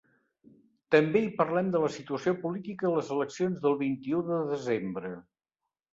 També hi parlem de la situació política i les eleccions del vint-i-u de desembre.